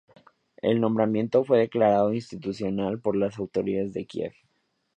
El nombramiento fue declarado inconstitucional por las autoridades de Kiev.